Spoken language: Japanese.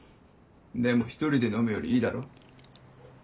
でも１人で飲むよりいいだろ？